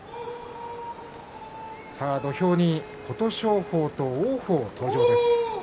土俵に琴勝峰と王鵬登場です。